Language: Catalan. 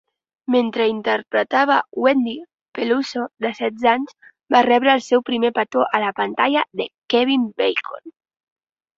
Mentre interpretava "Wendy", Peluso, de setze anys, va rebre el seu primer petó a la pantalla de Kevin Bacon.